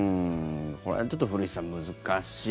これはちょっと古市さん難しい。